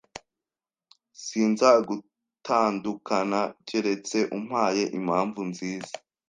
Sinzagutandukana keretse umpaye impamvu nziza